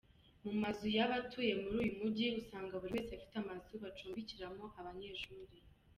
Mumazu yabatuye muri uyu mugi usanga buri wese afite amazu bacumbikiramo abanyeshuri.